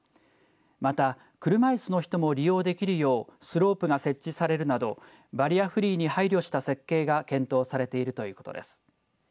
また、車いすの人も利用できるようスロープが設置されるなどバリアフリーに配慮した設計が検討されているということです。